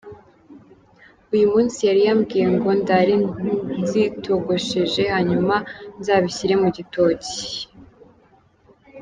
uyu munsi yari yambwiye ngo ndare nzitogosheje, hanyuma nzabishyire mu gitoki.